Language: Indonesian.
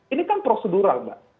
ini kan prosedural mbak